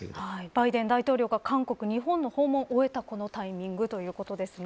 バイデン大統領が韓国日本の訪問を終えたこのタイミングということです。